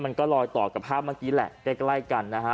มันก็ลอยต่อกับภาพเมื่อกี้แหละใกล้กันนะฮะ